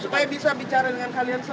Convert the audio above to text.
supaya bisa bicara dengan kalian